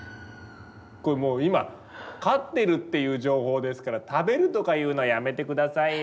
これもう今飼ってるっていう情報ですから食べるとか言うのはやめて下さいよ